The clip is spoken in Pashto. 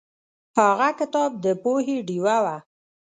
هغه کتاب د پوهې ډیوه وه.